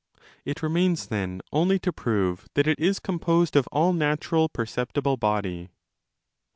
It remains, then, only to prove that it is composed of all natural perceptible body.